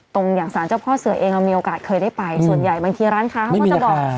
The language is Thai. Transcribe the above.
อย่างสารเจ้าพ่อเสือเองเรามีโอกาสเคยได้ไปส่วนใหญ่บางทีร้านค้าเขาก็จะบอก